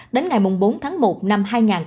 đến ngày bốn tháng một năm hai nghìn hai mươi